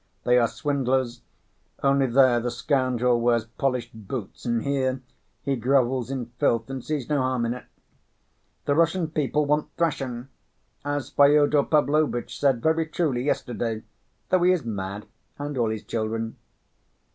They are swindlers, only there the scoundrel wears polished boots and here he grovels in filth and sees no harm in it. The Russian people want thrashing, as Fyodor Pavlovitch said very truly yesterday, though he is mad, and all his children."